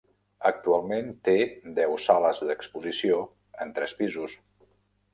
Actualment té deu sales d'exposició, en tres pisos.